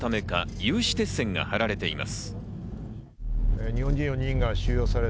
有刺鉄線が張られています。